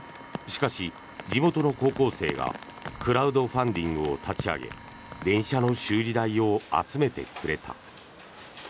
しかし、地元の高校生がクラウドファンディングを立ち上げ電車の修理代を集めてくれた。